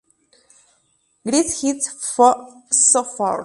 Greatest Hits... So Far!!!